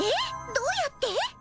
どうやって？